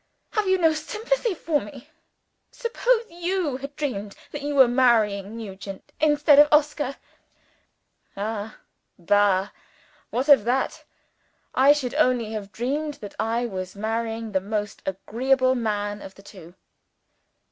Have you no sympathy for me? Suppose you had dreamed that you were marrying Nugent instead of Oscar?" "Ah, bah! what of that? I should only have dreamed that I was marrying the most agreeable man of the two."